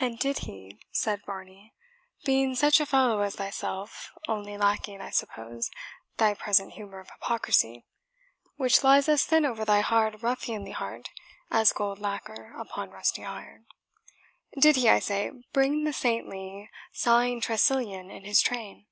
"And did he," said Varney, "being such a fellow as thyself, only lacking, I suppose, thy present humour of hypocrisy, which lies as thin over thy hard, ruffianly heart as gold lacquer upon rusty iron did he, I say, bring the saintly, sighing Tressilian in his train?"